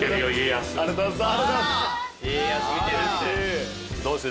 ありがとうございます。